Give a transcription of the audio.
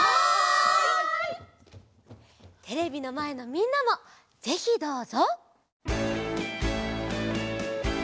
テレビのまえのみんなもぜひどうぞ！